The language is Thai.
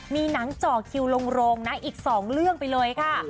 มีหนังจ่อคิวโรงอีก๒เรื่องไปเลยค่ะ